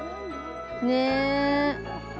ねえ。